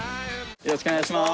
よろしくお願いします。